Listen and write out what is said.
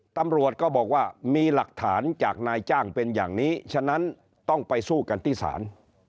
ตำรวจก็บอกว่ามีหลักฐานจากนายจ้างเป็นอย่างนี้ฉะนั้นต้องไปสู้กันที่ศาล